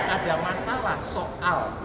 ada masalah soal